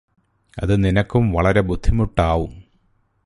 അത് നിനക്കും വളരെ ബുദ്ധിമ്മുട്ടാവും